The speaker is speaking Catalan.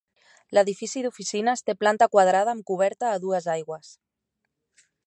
L'edifici d'oficines té planta quadrada amb coberta a dues aigües.